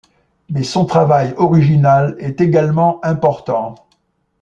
Mais son travail original est également important.